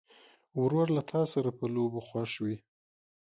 ورور له تا سره په لوبو خوښ وي.